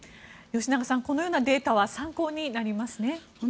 吉永さん、このようなデータは参考になりますね。